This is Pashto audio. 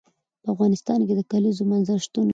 په افغانستان کې د کلیزو منظره شتون لري.